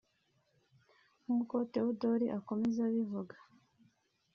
nk’uko Theodore akomeza abivuga